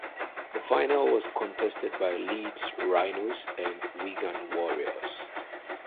The final was contested by Leeds Rhinos and Wigan Warriors.